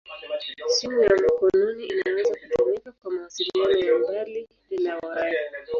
Simu ya mkononi inaweza kutumika kwa mawasiliano ya mbali bila waya.